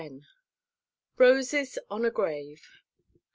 ROSES ON A GRAVE.